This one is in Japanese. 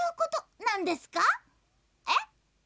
えっ？